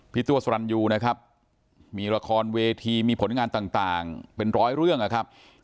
ตัวสรรยูนะครับมีละครเวทีมีผลงานต่างเป็นร้อยเรื่องนะครับ